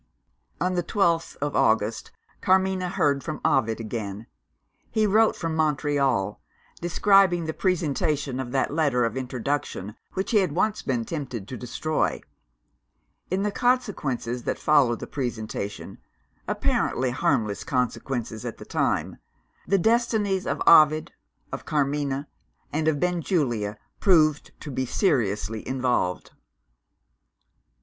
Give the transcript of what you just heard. On the twelfth of August, Carmina heard from Ovid again. He wrote from Montreal; describing the presentation of that letter of introduction which he had once been tempted to destroy. In the consequences that followed the presentation apparently harmless consequences at the time the destinies of Ovid, of Carmina, and of Benjulia proved to be seriously involved.